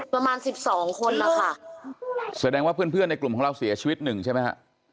ประมาณสิบสองคนนะคะแสดงว่าเพื่อนเพื่อนในกลุ่มของเราเสียชีวิตหนึ่งใช่ไหมฮะ